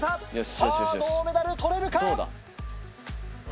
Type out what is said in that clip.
さぁ銅メダル撮れるか？